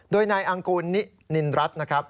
โดยนายอังกูลนินินรัฐนะครับ